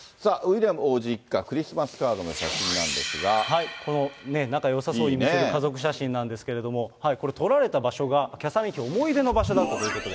ウィリアム王子一家、クリスマス仲よさそうにする家族写真なんですけれども、これ、撮られた場所がキャサリン妃思い出の場所だったということで。